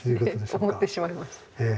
思ってしまいました。